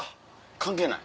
関係ない？